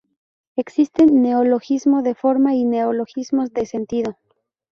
Existen neologismo de forma y neologismos de sentido.